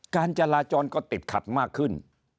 การจราจรก็ติดขัดมากขึ้น